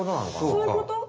そういうこと？